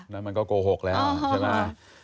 แล้วมันก็โกหกแล้วใช่ไหม